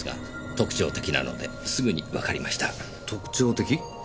特徴的？